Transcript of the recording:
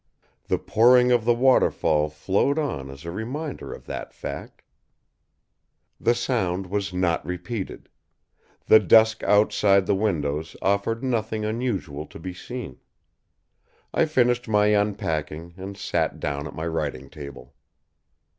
The pouring of the waterfall flowed on as a reminder of that fact. The sound was not repeated. The dusk outside the windows offered nothing unusual to be seen. I finished my unpacking and sat down at my writing table.